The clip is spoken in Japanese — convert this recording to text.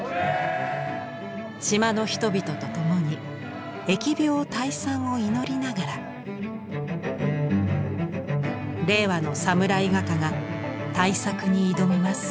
島の人々と共に疫病退散を祈りながら令和のサムライ画家が大作に挑みます。